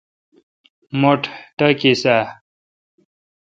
مٹھ ٹاکیس اؘ ۔